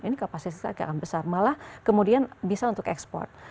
ini kapasitas kita akan besar malah kemudian bisa untuk export